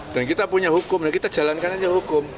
dan kita punya hukum kita jalankan saja hukum